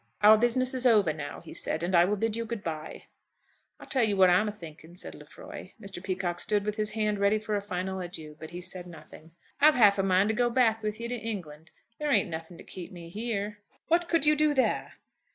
"Our business is over now," he said, "and I will bid you good bye." "I'll tell you what I'm athinking," said Lefroy. Mr. Peacocke stood with his hand ready for a final adieu, but he said nothing. "I've half a mind to go back with you to England. There ain't nothing to keep me here." "What could you do there?"